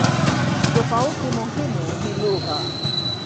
Tofauti muhimu ni lugha.